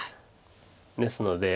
ですので。